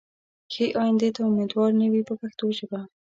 ښې ایندې ته امیدوار نه وي په پښتو ژبه.